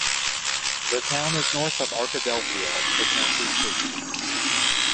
The town is north of Arkadelphia, the county seat.